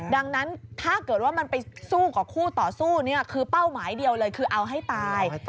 ดังนั้นถ้าเกิดว่ามันไปสู้กับคู่ต่อสู้คือเป้าหมายเดียวเลยคือเอาให้ตาย